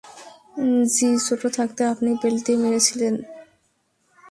জী, ছোট থাকতে আপনি বেল্ট দিয়ে মেরেছিলেন।